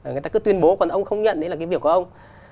người ta cứ tuyên bố còn ông không nhận đấy là cái biểu của ông